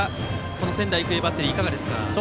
仙台育英バッテリーいかがですか。